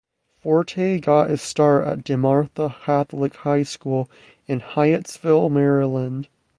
Forte got his start at DeMatha Catholic High School in Hyattsville, Maryland.